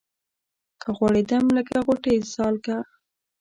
که غوړېدم لکه غوټۍ سالکه